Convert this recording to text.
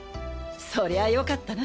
そりゃよかったな。